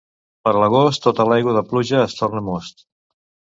Per l'agost tota l'aigua de pluja es torna most.